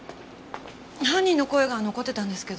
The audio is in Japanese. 犯人の声が残ってたんですけど。